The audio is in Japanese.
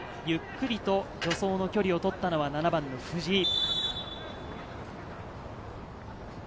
ゆっくりと助走の距離を取ったのは７番の藤井。